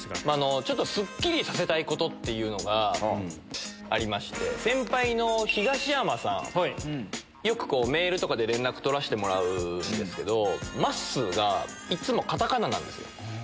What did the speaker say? ちょっとすっきりさせたいことっていうのがありまして、先輩の東山さん、よくメールとかで連絡取らせてもらうんですけど、まっすーが、いつもカタカナなんですよ。